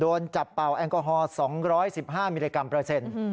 โดนจับเป่าแอลกอฮอล๒๑๕มิลลิกรัมเปอร์เซ็นต์